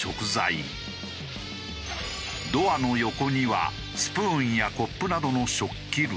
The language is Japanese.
ドアの横にはスプーンやコップなどの食器類。